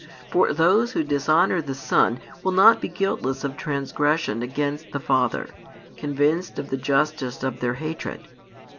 For those who dishonour the Son will not be guiltless of transgression against the Father, convinced of the justice of their hatred.